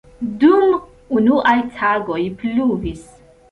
Dum unuaj tagoj pluvis.